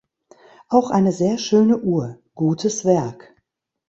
Auch eine sehr schöne Uhr. Gutes Werk!